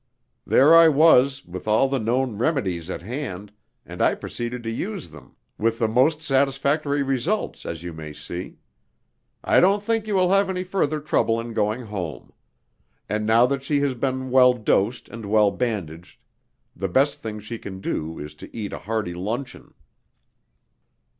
There I was, with all the known remedies at hand, and I proceeded to use them, with the most satisfactory results, as you may see. I don't think you will have any further trouble in going home; and now that she has been well dosed and well bandaged, the best thing she can do is to eat a hearty luncheon."